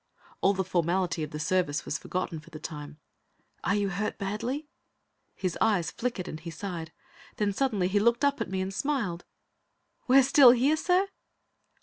All the formality of the Service was forgotten for the time. "Are you hurt badly?" His eyelids flickered, and he sighed; then, suddenly, he looked up at me and smiled! "We're still here, sir?"